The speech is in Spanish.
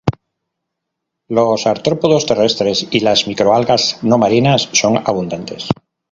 Los artrópodos terrestres y las microalgas no marinas son abundantes.